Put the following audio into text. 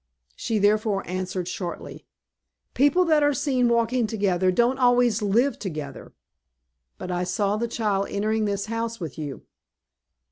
She therefore answered, shortly, "People that are seen walking together don't always live together." "But I saw the child entering this house with you."